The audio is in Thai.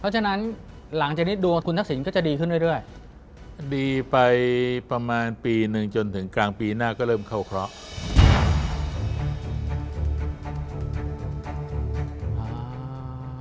เพราะฉะนั้นหลังจากนี้ดวงคุณทักษิณก็จะดีขึ้นเรื่อยดีไปประมาณปีหนึ่งจนถึงกลางปีหน้าก็เริ่มเข้าเคราะห์